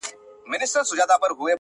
هغه د ساه کښلو لپاره جادوگري غواړي,